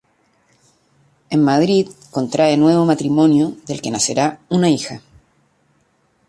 En Madrid contrae nuevo matrimonio, del que nacerá una hija.